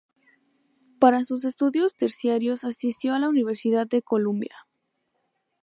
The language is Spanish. Para sus estudios terciarios asistió a la Universidad de Columbia.